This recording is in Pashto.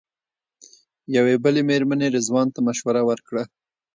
یوې بلې مېرمنې رضوان ته مشوره ورکړه.